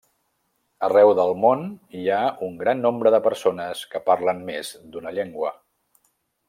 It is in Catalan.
Arreu del món hi ha un gran nombre de persones que parlen més d’una llengua.